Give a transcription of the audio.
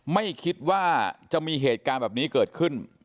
ไม่คิดว่าจะมีเหตุการณ์แบบนี้เกิดขึ้น